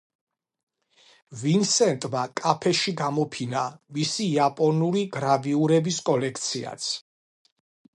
ვინსენტმა კაფეში გამოფინა მისი იაპონური გრავიურების კოლექციაც.